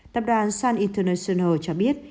tập đoàn sun international cho biết